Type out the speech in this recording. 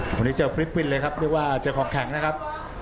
วันนี้เจอฟิลิปปินส์เลยครับเรียกว่าเจอของแข็งนะครับ